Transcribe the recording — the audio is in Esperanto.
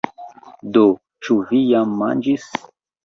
Do, ĉu vi jam manĝis?